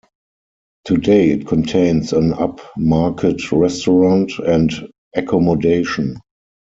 Today it contains an up-market restaurant and accommodation.